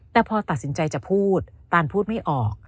แต่พอตัดสินใจจะพูดตานพูดไม่ออก